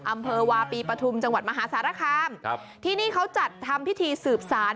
อำเภอวาปีปฐุมจังหวัดมหาสารคามครับที่นี่เขาจัดทำพิธีสืบสาร